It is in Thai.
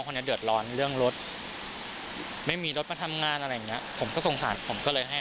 กลัวครับใช่